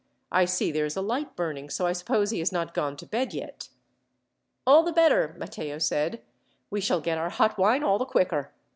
I see there is a light burning, so I suppose he has not gone to bed yet." "All the better," Matteo said. "We shall get our hot wine all the quicker.